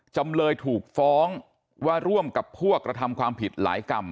จำเลยถูกฟ้องว่าร่วมกับพวกกระทำความผิดหลายกรรม